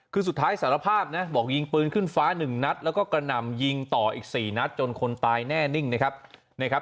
คือสุดท้ายสารภาพนะบอกยิงปืนขึ้นฟ้าหนึ่งนัดแล้วก็กระหน่ำยิงต่ออีก๔นัดจนคนตายแน่นิ่งนะครับ